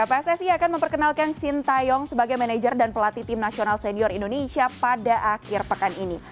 pssi akan memperkenalkan shin taeyong sebagai manajer dan pelatih timnasional senior indonesia pada akhir pekan ini